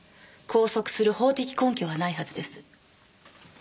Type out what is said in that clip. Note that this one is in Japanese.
拘束する法的根拠はないはずです。